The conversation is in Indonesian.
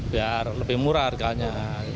biar lebih murah harganya